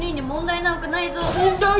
問題なんかない！